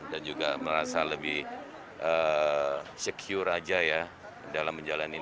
dan juga merasa lebih secure saja ya dalam menjalani